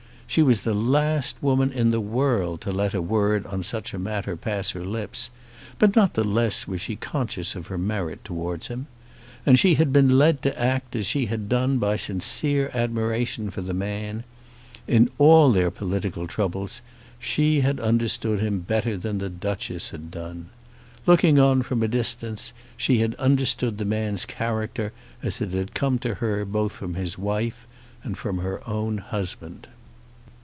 She was the last woman in the world to let a word on such a matter pass her lips; but not the less was she conscious of her merit towards him. And she had been led to act as she had done by sincere admiration for the man. In all their political troubles, she had understood him better than the Duchess had done. Looking on from a distance she had understood the man's character as it had come to her both from his wife and from her own husband.